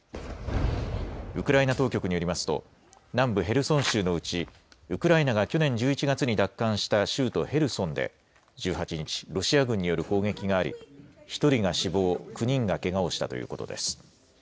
ウクライナ当局によりますと南部ヘルソン州のうちウクライナが去年１１月に奪還した州都ヘルソンで１８日、ロシア軍による攻撃があり１人が死亡、９人がけがをしたということです。